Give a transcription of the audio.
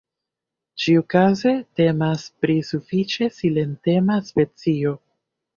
Ĉiukaze temas pri sufiĉe silentema specio.